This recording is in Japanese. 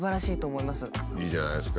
いいじゃないですか。